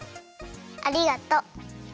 ありがとう。